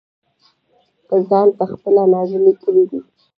پۀ ځان پۀ خپله نازلې کړي دي -